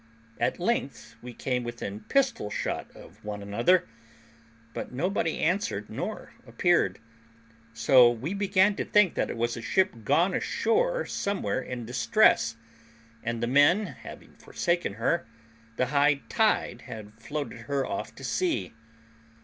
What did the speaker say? At length we came within pistol shot of one another, but nobody answered nor appeared; so we began to think that it was a ship gone ashore somewhere in distress, and the men having forsaken her, the high tide had floated her off to sea.